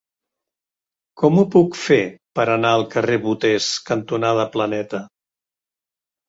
Com ho puc fer per anar al carrer Boters cantonada Planeta?